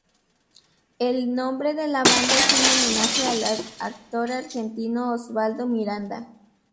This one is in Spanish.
El nombre de la banda es un homenaje al actor argentino Osvaldo Miranda.